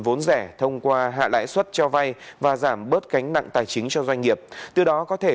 vốn rẻ thông qua hạ lãi suất cho vay và giảm bớt gánh nặng tài chính cho doanh nghiệp từ đó có thể